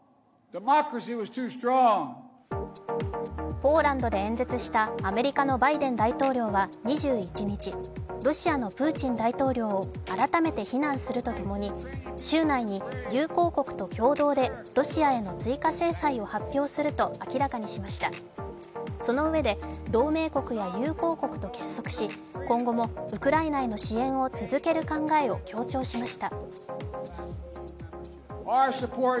ポーランドで演説したアメリカのバイデン大統領は２１日ロシアのプーチン大統領を改めて非難するとともに週内に友好国と共同でロシアへの追加制裁を発表すると明らかにしました、そのうえで同盟国や友好国と結束し今後もウクライナへの支援を続ける考えを強調しました。